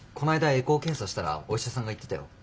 エコー検査したらお医者さんが言ってたよ。